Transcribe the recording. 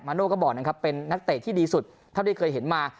โน่ก็บอกนะครับเป็นนักเตะที่ดีสุดเท่าที่เคยเห็นมา